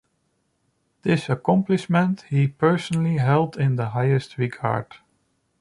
This accomplishment he personally held in the highest regard.